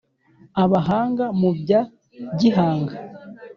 Abahanga mu bya Gihanga